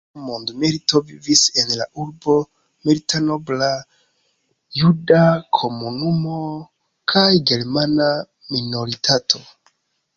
Antaŭ la dua mondmilito vivis en la urbo multnombra juda komunumo kaj germana minoritato.